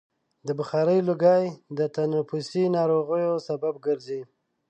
د بخارۍ لوګی د تنفسي ناروغیو سبب ګرځي.